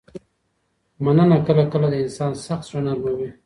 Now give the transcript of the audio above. مننه کله کله د انسان سخت زړه نرموي.